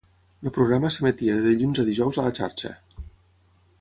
El programa s'emetia de dilluns a dijous a la xarxa.